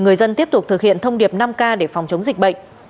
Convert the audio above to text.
người dân tiếp tục thực hiện thông điệp năm k để phòng chống dịch bệnh